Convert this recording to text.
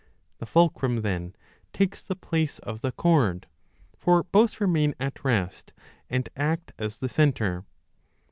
The fulcrum, then, takes the place of the cord, for both remain at rest and act as the centre.